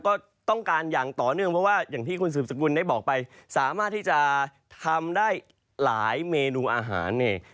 ก็ต้องการอย่างต่อเนื่องเพราะว่าอย่างที่คุณสืบสกุลได้บอกไปสามารถที่จะทำได้หลายเมนูอาหารนี่